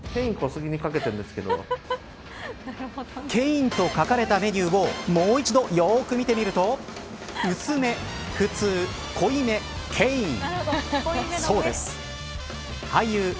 ケインと書かれたメニューをもう一度、よく見てみると薄め普通、濃いめ、ケイン。